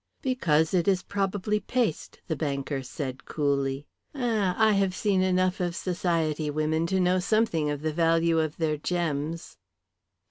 "Because it is probably paste," the banker said, coolly. "Hein, I have seen enough of society women to know something of the value of their gems."